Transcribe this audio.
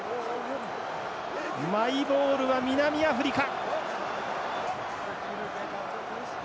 マイボールは南アフリカ。